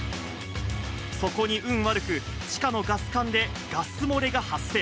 そこに運悪く、地下のガス管でガス漏れが発生。